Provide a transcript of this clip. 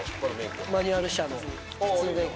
マニュアル車の普通免許。